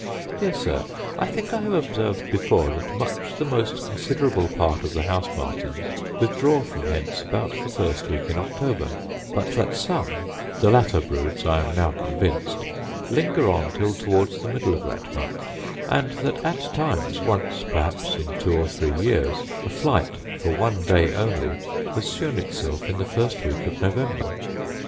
Dear Sir, I think I have observed before that much the most considerable part of the house martins withdraw from hence about the first week in October; but that some, the latter broods I am now convinced, linger on till towards the middle of that month: and that at times, once perhaps in two or three years, a flight, for one day only, has shown itself in the first week of November.